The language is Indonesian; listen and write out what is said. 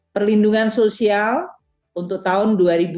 perlindungan sosial untuk tahun dua ribu dua puluh